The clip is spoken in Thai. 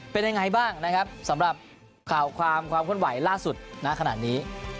เป็นยังไงบ้างนะครับสำหรับข่าวความความเคลื่อนไหวล่าสุดณขนาดนี้